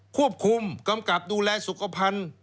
ควบคุมกำกับดูแลสุขภัณฑ์